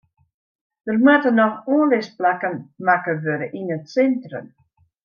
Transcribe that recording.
Der moatte noch oanlisplakken makke wurde yn it sintrum.